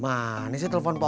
mana sih telepon pak odi